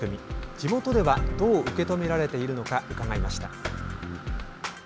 地元ではどう受け止められているのか伺いました。